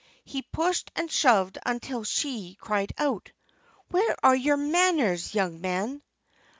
He pushed and shoved until she cried out, "Where are your manners, young man?"